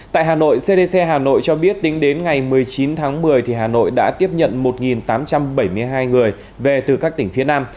tại hà nội cdc hà nội cho biết tính đến ngày một mươi chín tháng một mươi hà nội đã tiếp nhận một tám trăm bảy mươi hai người về từ các tỉnh phía nam